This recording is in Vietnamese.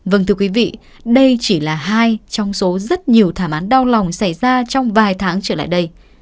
vâng thưa quý vị đây chỉ là hai trong số rất nhiều thảm án đau lòng xảy ra trong vài tháng trở lại đây